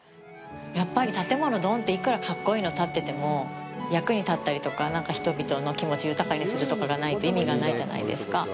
やっぱり、建物、ドーンって幾ら格好いいのが建ってても、役に立ったりとか、なんか人々の気持ちを豊かにするとかがないと意味がないじゃないですか。